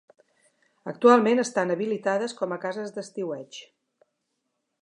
Actualment estan habilitades com a cases d'estiueig.